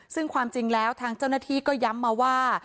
ซึ่งความจริงแล้วทางเจ้าหน้าที่ก็ย้ำมาว่า